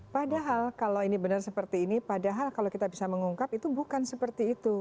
padahal kalau ini benar seperti ini padahal kalau kita bisa mengungkap itu bukan seperti itu